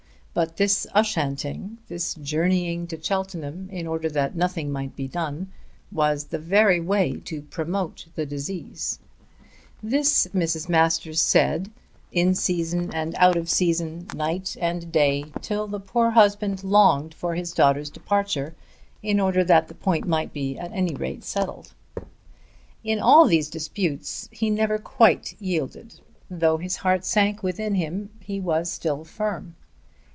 But this "Ushanting," this journeying to Cheltenham in order that nothing might be done, was the very way to promote the disease! This Mrs. Masters said in season and out of season, night and day, till the poor husband longed for his daughter's departure, in order that that point might at any rate be settled. In all these disputes he never quite yielded. Though his heart sank within him he was still firm.